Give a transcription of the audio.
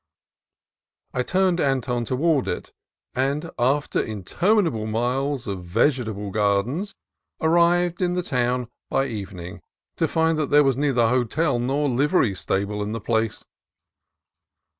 I turned Anton towards it, and after interminable miles of vegetable gardens arrived in the town by evening, to find that there was neither hotel nor livery stable in the place.